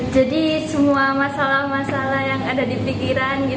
jadi semua masalah masalah yang ada di pikiran